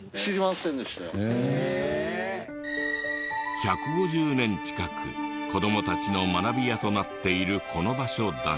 １５０年近く子供たちの学び舎となっているこの場所だが。